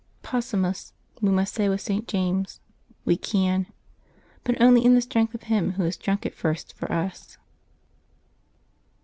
Possumus, we must say with St. James — "We can" — but only in the strength of Him Who has drunk it first for us.